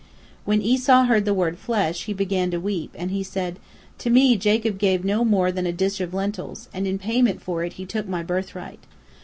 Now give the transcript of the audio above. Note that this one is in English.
When Esau heard the word "flesh," he began to weep, and he said: "To me Jacob gave no more than a dish of lentils, and in payment for it he took my birthright.